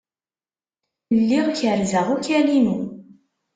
Lliɣ kerrzeɣ akal-inu.